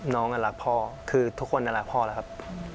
น้องอ่ะรักพ่อคือทุกคนอ่ะรักพ่อล่ะครับ